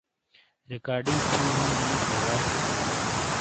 ریکارڈنگ تِھیوں ہوں دا نُش لا زا؟